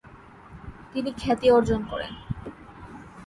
তিনি খ্যাতি অর্জন করেন।